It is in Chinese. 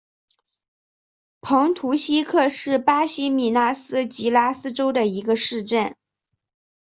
蓬图希克是巴西米纳斯吉拉斯州的一个市镇。